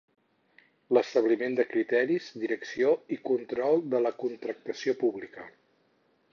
L'establiment de criteris, direcció i control de la contractació pública.